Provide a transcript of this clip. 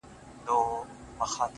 خپه وې چي وړې ; وړې ;وړې د فريادي وې;